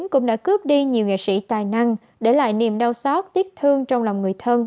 cũng đã cướp đi nhiều nghệ sĩ tài năng để lại niềm đau xót tiết thương trong lòng người thân